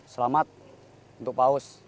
selamat untuk paus